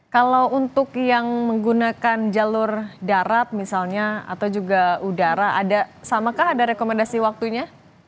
kalau untuk yang menggunakan jalur darat misalnya atau juga udara ada samakah ada rekomendasi waktunya